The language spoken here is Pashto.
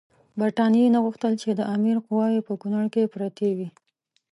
برټانیې نه غوښتل چې د امیر قواوې په کونړ کې پرتې وي.